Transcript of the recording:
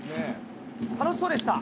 楽しそうでした。